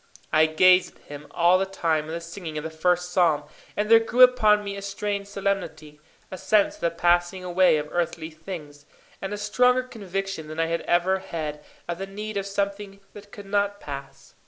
I gazed at him all the time of the singing of the first psalm, and there grew upon me a strange solemnity, a sense of the passing away of earthly things, and a stronger conviction than I had ever had of the need of something that could not pass.